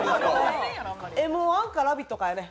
「Ｍ−１」か「ラヴィット！」かやね。